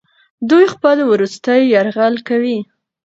دوی خپل وروستی یرغل کوي.